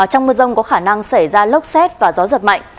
trong mưa rông có khả năng xảy ra lốc xét và gió giật mạnh